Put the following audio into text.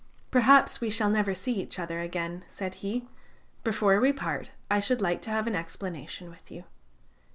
"Perhaps we shall never see each other again," said he; "before we part, I should like to have an explanation with you.